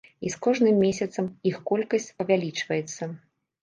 І з кожным месяцам іх колькасць павялічваецца.